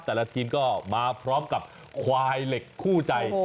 แต่ละทีมก็มาพร้อมกับควายเหล็กคู่ใจ